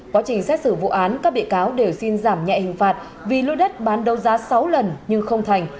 quá trình xét xử vụ án các bị cáo đều xin giảm nhẹ hình phạt vì lôi đất bán đấu giá sáu lần nhưng không thành